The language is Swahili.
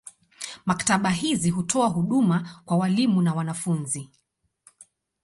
Maktaba hizi hutoa huduma kwa walimu na wanafunzi.